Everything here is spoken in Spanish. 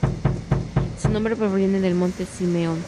Su nombre proviene del Monte Simeón.